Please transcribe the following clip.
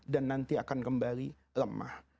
dan nanti akan kembali lemah